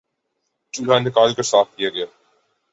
چولہا نکال کر صاف کیا گیا